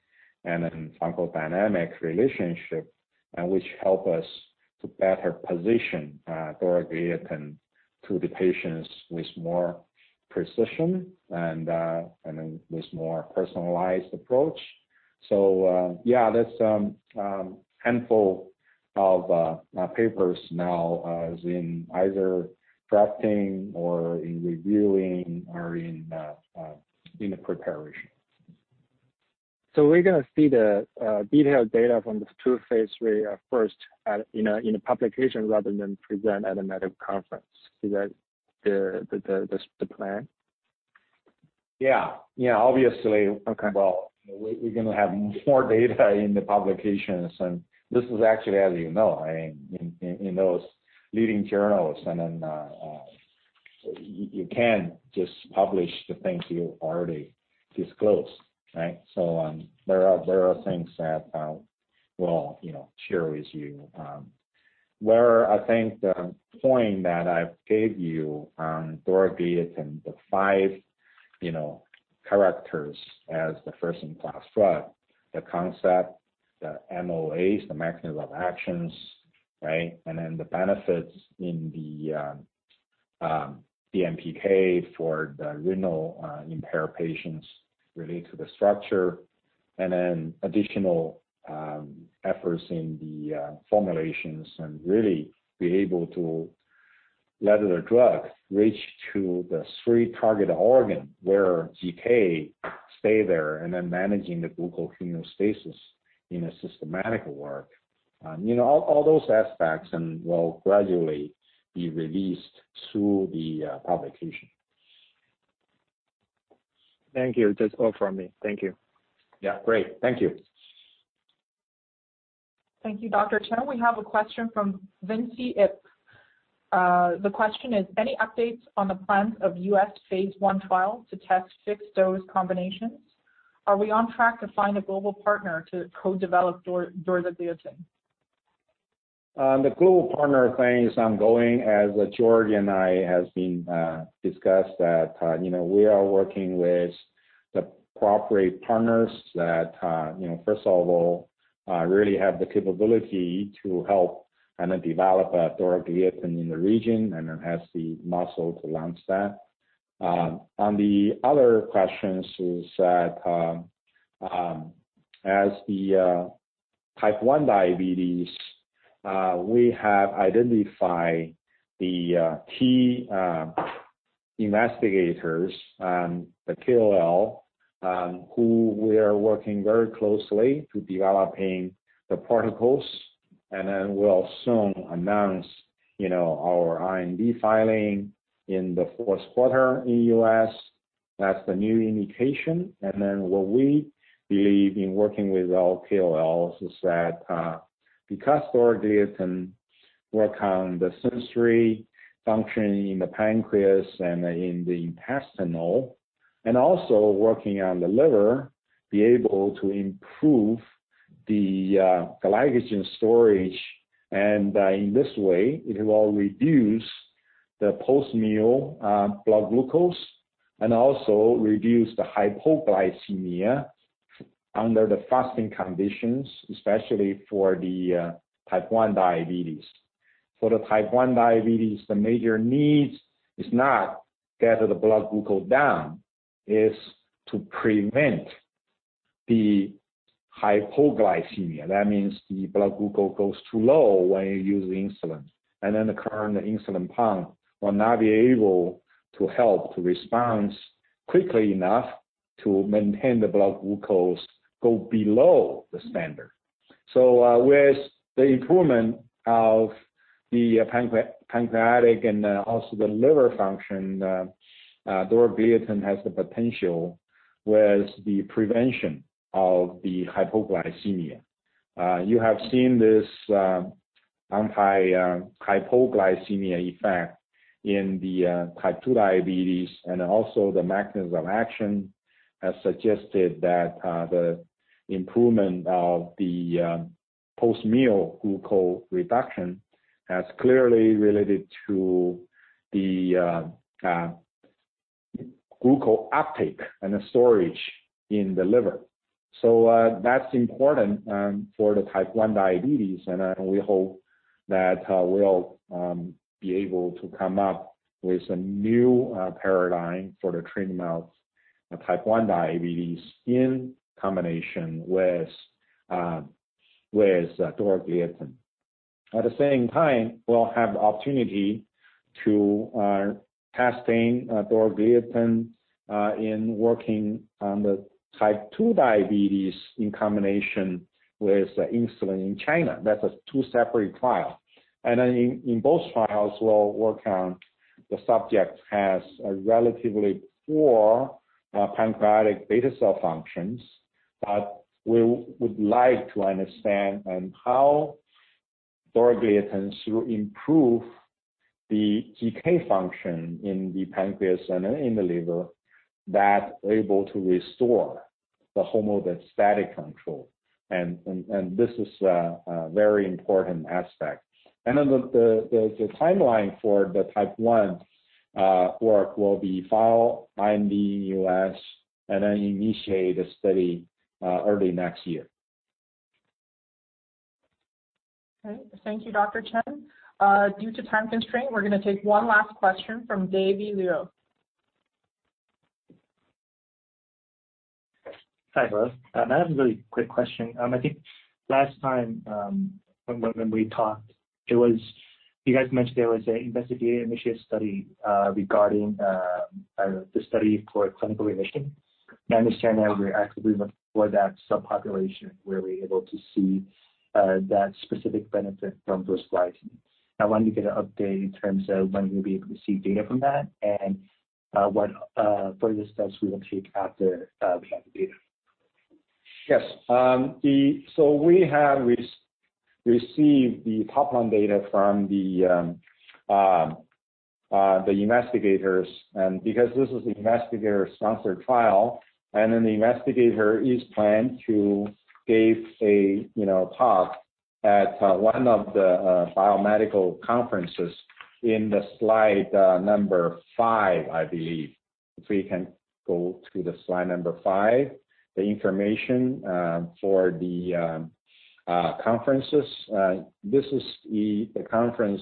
and pharmacodynamic relationship, which help us to better position dorzagliatin to the patients with more precision then with more personalized approach. Yeah, that's a handful of papers now in either drafting or in reviewing or in the preparation. We're going to see the detailed data from the two phase III first in the publication rather than present at a medical conference. Is that the plan? Yeah. Okay well, we're going to have more data in the publications, and this is actually, as you know, in those leading journals, and then you can't just publish the things you already disclosed, right? There are things that we'll share with you. Where I think the point that I've gave you on dorzagliatin, the five characters as the first-in-class drug, the concept, the MOAs, the mechanism of actions, right? The benefits in the PK for the renal impair patients related to the structure, and then additional efforts in the formulations, and really be able to let the drug reach to the three target organ, where GK stay there, and then managing the glucose hemeostasis in a systematic work. All those aspects will gradually be released through the publication. Thank you. That is all from me. Thank you. Yeah, great. Thank you. Thank you, Dr. Chen. We have a question from Vinci Ip. The question is, "Any updates on the plans of U.S. phase I trial to test fixed-dose combinations? Are we on track to find a global partner to co-develop dorzagliatin? The global partner thing is ongoing, as George and I have discussed that we are working with the appropriate partners that, first of all, really have the capability to help and then develop dorzagliatin in the region, and then have the muscle to launch that. On the other questions is that as the type one diabetes, we have identified the key investigators and the KOL who we are working very closely to developing the protocols, we'll soon announce our IND filing in the Q4 in the U.S. That's the new indication. What we believe in working with all KOLs is that, because dorzagliatin work on the sensory function in the pancreas and in the intestinal, and also working on the liver, be able to improve the glycogen storage. In this way, it will reduce the post-meal blood glucose and also reduce the hypoglycemia under the fasting conditions, especially for the type one diabetes. For the type one diabetes, the major need is not get the blood glucose down, it's to prevent the hypoglycemia. That means the blood glucose goes too low when you use insulin, and then the current insulin pump will not be able to help to respond quickly enough to maintain the blood glucose go below the standard. With the improvement of the pancreatic and also the liver function, dorzagliatin has the potential with the prevention of the hypoglycemia. You have seen this anti-hypoglycemia effect in the type two diabetes, and also the mechanism action has suggested that the improvement of the post-meal glucose reduction has clearly related to the glucose uptake and the storage in the liver. That's important for the type one diabetes, and we hope that we'll be able to come up with a new paradigm for the treatment of type one diabetes in combination with dorzagliatin. At the same time, we'll have the opportunity to testing dorzagliatin in working on the type two diabetes in combination with insulin in China. That's two separate trials. In both trials, we'll work on the subject has a relatively poor pancreatic beta cell functions, but we would like to understand how dorzagliatin to improve the GK function in the pancreas and in the liver that able to restore the homeostatic control. This is a very important aspect. The timeline for the type one work will be file IND U.S. and then initiate a study early next year. Thank you, Dr. Chen. Due to time constraint, we're going to take one last question from David Luo. Hi, both. I have a really quick question. I think last time when we talked, you guys mentioned there was a investigator-initiated study regarding the study for clinical remission. I understand that we're actively looking for that subpopulation where we're able to see that specific benefit from dorzagliatin. I wanted to get an update in terms of when we'll be able to see data from that and what further steps we will take after we have the data. Yes. We have received the top-line data from the investigators, because this is investigator-sponsored trial, the investigator is planned to give a talk at one of the biomedical conferences in the slide five, I believe. If we can go to the slide five, the information for the conferences. This is the conference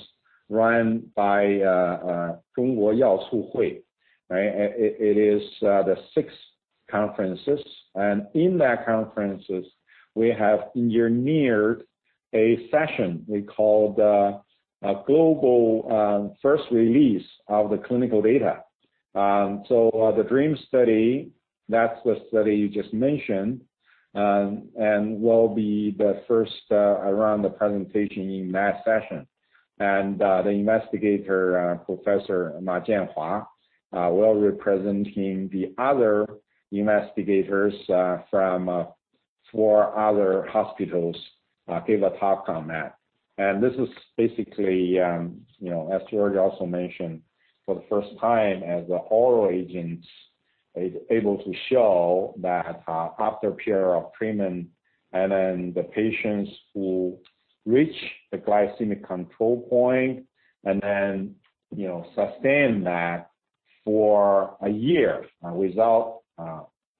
run by Chinese Pharmaceutical Association. It is the 6th conference, in that conference, we have engineered a session we called Global First Release of the Clinical Data. The DREAM study, that's the study you just mentioned, will be the first around the presentation in that session. The investigator, Professor Jianhua Ma, will be representing the other investigators from four other hospitals, give a talk on that. This is basically, as George also mentioned, for the first time as the oral agentsIs able to show that after a period of treatment, and then the patients who reach the glycemic control point, and then sustain that for a year without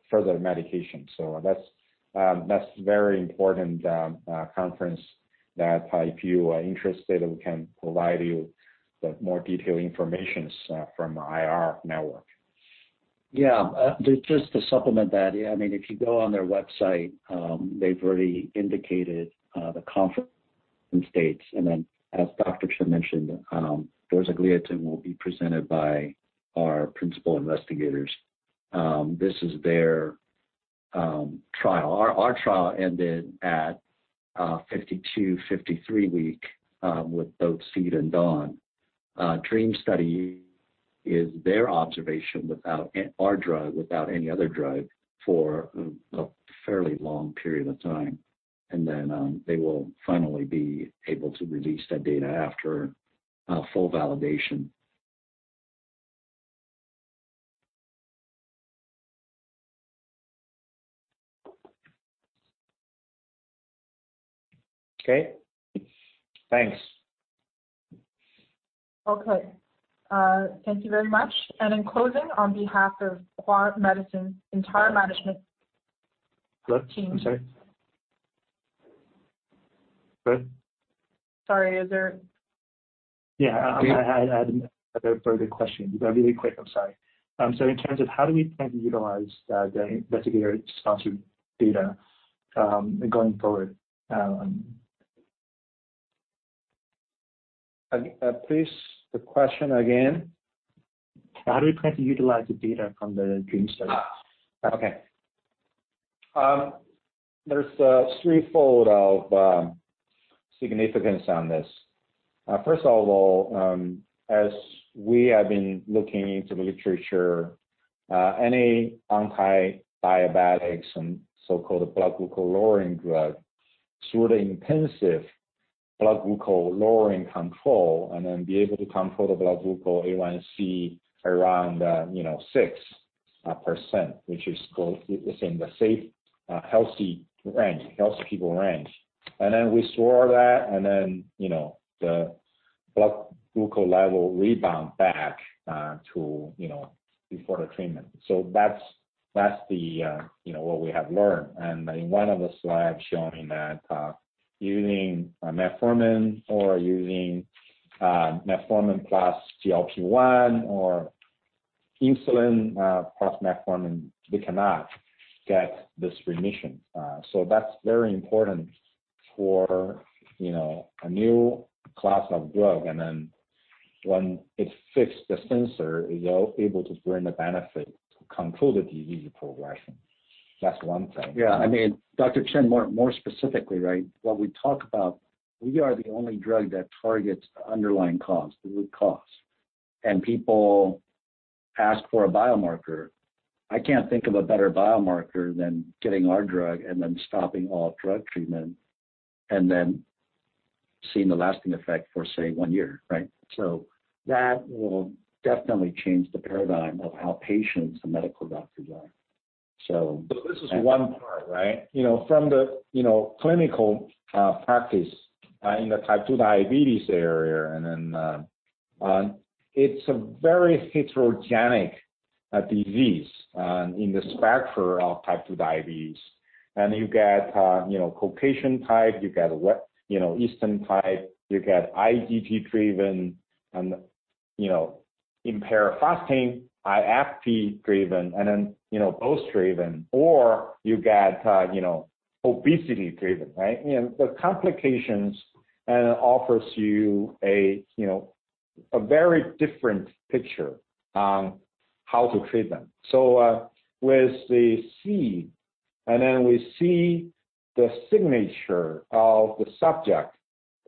further medication. That's a very important conference that if you are interested, we can provide you the more detailed informations from IR network. Yeah. Just to supplement that, if you go on their website, they've already indicated the conference dates. As Dr. Chen mentioned, dorzagliatin will be presented by our principal investigators. This is their trial. Our trial ended at 52, 53 weeks, with both SEED and DAWN. DREAM study is their observation without our drug, without any other drug for a fairly long period of time. They will finally be able to release that data after full validation. Okay, thanks. Okay. Thank you very much. In closing, on behalf of Hua Medicine's entire management. Hello? I'm sorry. team. Go ahead. Sorry, is there? Yeah, I had a further question. Really quick, I'm sorry. In terms of how do we plan to utilize the investigator-sponsored data, going forward? Please, the question again. How do we plan to utilize the data from the DREAM study? Okay. There's a threefold of significance on this. First of all, as we have been looking into the literature, any antidiabetics and so-called blood glucose-lowering drug, through the intensive blood glucose lowering control, and then be able to control the blood glucose A1c around six percent, which is in the safe, healthy range, healthy people range. We saw that, the blood glucose level rebound back to before the treatment. That's what we have learned. In one of the slides showing that using metformin or using metformin plus GLP-1 or insulin plus metformin, we cannot get this remission. That's very important for a new class of drug. When it fits the sensor, you're able to bring the benefit to control the disease progression. That's one thing. Yeah. Dr. Chen, more specifically, right? What we talk about, we are the only drug that targets the underlying cause, the root cause. People ask for a biomarker. I can't think of a better biomarker than getting our drug and then stopping all drug treatment, and then seeing the lasting effect for, say, one year. Right? That will definitely change the paradigm of how patients and medical doctors are. This is one part, right? From the clinical practice in the type two diabetes area, and then it's a very heterogenic disease in the spectrum of type two diabetes. You get Caucasian type, you get Eastern type, you get IGT-driven and impaired fasting, IFG-driven, and then GOS-driven, or you get obesity-driven, right? The complications offers you a very different picture on how to treat them. With the SEED, and then we see the signature of the subject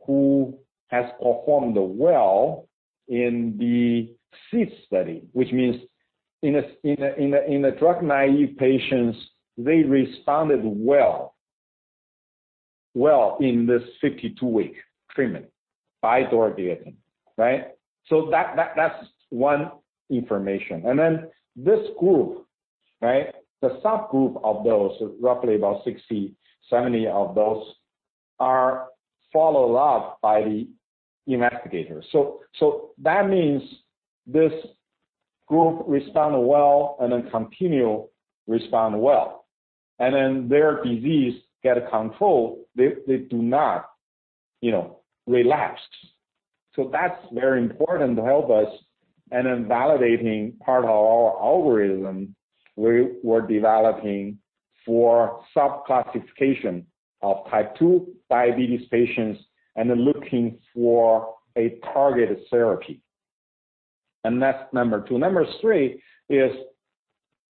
who has performed well in the SEED study, which means in the drug-naive patients, they responded well in this 52-week treatment by dorzagliatin. Right? That's one information. This group, the subgroup of those, roughly about 60, 70 of those are followed up by the investigators. That means this group respond well and then continue respond well. Their disease get control. They do not relapse. That's very important to help us. Validating part of our algorithm we're developing for subclassification of type two diabetes patients, and then looking for a targeted therapy. That's number two. Number three is,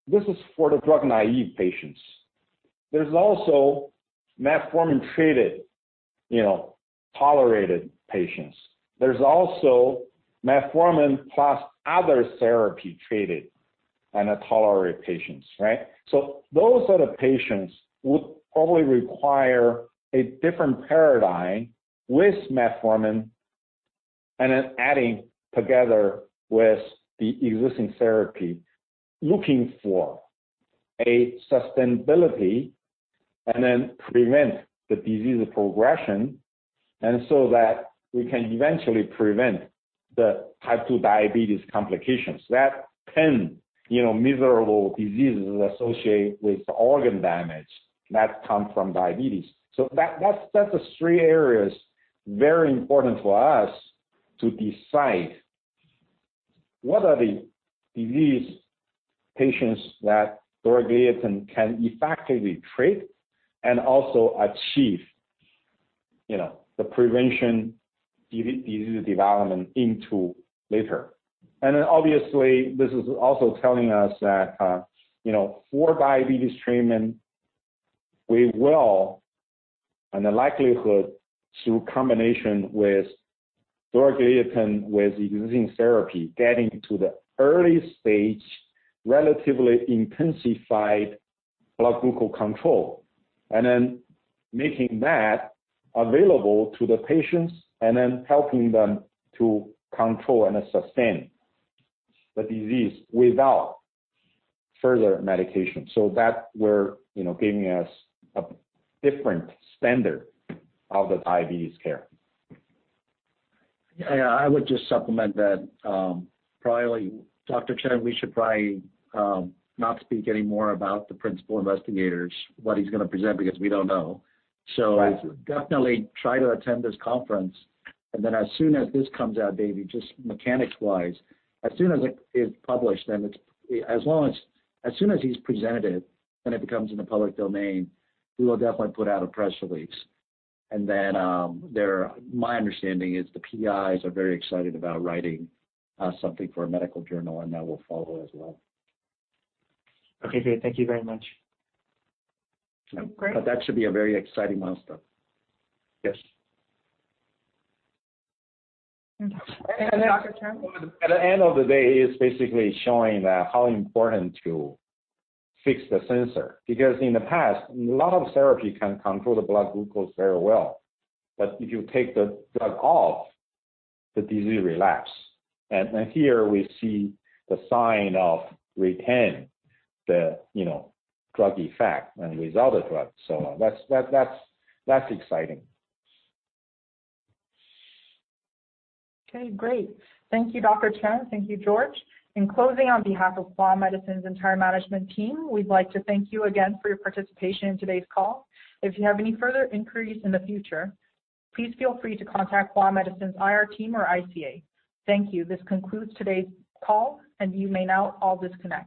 this is for the drug-naive patients. There's also metformin-treated, tolerated patients. There's also metformin plus other therapy-treated and tolerated patients. Right? Those are the patients who would probably require a different paradigm with metformin. Adding together with the existing therapy, looking for a sustainability, and then prevent the disease progression, and so that we can eventually prevent the type two diabetes complications. That 10 miserable diseases associated with organ damage that come from diabetes. That's the three areas, very important for us to decide what are the disease patients that dorzagliatin can effectively treat and also achieve the prevention disease development into later. Obviously, this is also telling us that, for diabetes treatment, we will, and the likelihood through combination with dorzagliatin, with existing therapy, getting to the early stage, relatively intensified blood glucose control. Making that available to the patients and then helping them to control and sustain the disease without further medication. That will giving us a different standard of the diabetes care. I would just supplement that. Probably, Dr. Chen, we should probably not speak any more about the principal investigators, what he's going to present, because we don't know. Right. Definitely try to attend this conference. As soon as this comes out, David, just mechanics-wise, as soon as it is published, as soon as he's presented it becomes in the public domain, we will definitely put out a press release. My understanding is the PIs are very excited about writing something for a medical journal, and that will follow as well. Okay, great. Thank you very much. Great. That should be a very exciting milestone. Yes. Dr. Chen? At the end of the day, it's basically showing that how important to fix the sensor. In the past, a lot of therapy can control the blood glucose very well. If you take the drug off, the disease relapse. Here we see the sign of retain the drug effect and without the drug. That's exciting. Okay, great. Thank you, Dr. Chen. Thank you, George. In closing, on behalf of Hua Medicine's entire management team, we'd like to thank you again for your participation in today's call. If you have any further inquiries in the future, please feel free to contact Hua Medicine's IR team or ICA. Thank you. This concludes today's call, and you may now all disconnect.